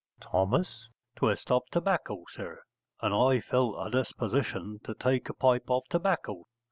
Th. Twist of tobacco, sir, and I felt a disposition to take a pipe of tobacco.